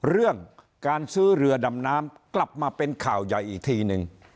เรื่องการซื้อเรือดำน้ำกลับมาเป็นข่าวใหญ่อีกทีนึง